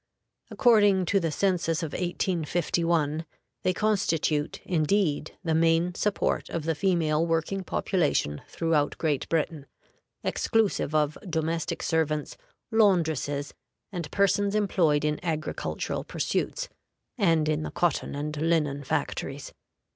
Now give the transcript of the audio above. According to the census of 1851, they constitute, indeed, the main support of the female working population throughout Great Britain, exclusive of domestic servants, laundresses, and persons employed in agricultural pursuits, and in the cotton and linen factories.